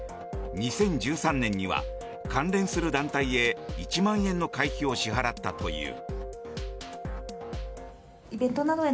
２０１３年には関連する団体へ１万円の会費を支払ったという。